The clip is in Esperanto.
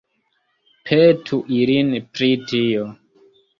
Petu ilin pri tio.